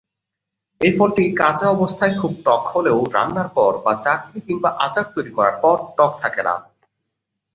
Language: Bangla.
এ ফলটি কাঁচা অবস্থায় খুব টক হলেও রান্নার পর বা চাটনি কিংবা আচার তৈরি করার পর টক থাকে না।